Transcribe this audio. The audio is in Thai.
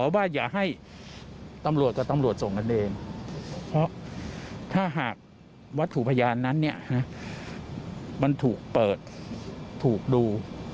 วัตถุพยานนั้นมันถูกเปิดถูกดู